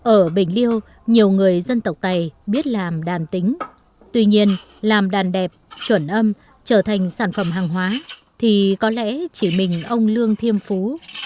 ở bình liêu nhiều người dân tộc tày biết làm đàn tính tuy nhiên làm đàn đẹp chuẩn âm trở thành sản phẩm hàng hóa thì có lẽ chỉ mình ông lương thiêm phú